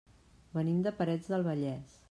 Venim de Parets del Vallès.